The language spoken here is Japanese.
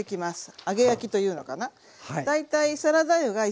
揚げ焼きというのかな。